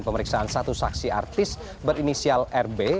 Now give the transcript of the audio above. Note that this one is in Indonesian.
pemeriksaan satu saksi artis berinisial rb